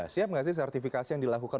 siap nggak sih sertifikasi yang dilakukan